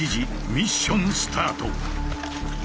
ミッションスタート。